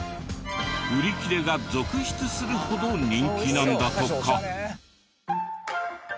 売り切れが続出するほど人気なんだとか。